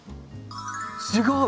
違う！